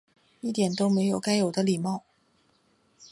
一点都没有该有的礼貌